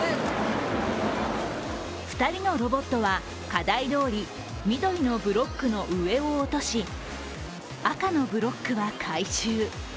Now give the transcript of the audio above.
２人のロボットは課題どおり緑のブロックの上を落とし赤のブロックは回収。